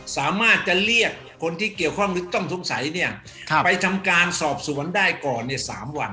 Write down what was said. สามารถจะเรียกคนที่เกี่ยวข้องหรือต้องสงสัยเนี่ยไปทำการสอบสวนได้ก่อนเนี่ย๓วัน